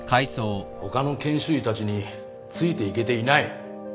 他の研修医たちについていけていない